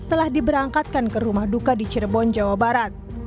telah diberangkatkan ke rumah duka di cirebon jawa barat